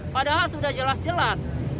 padahal sudah jelas jelas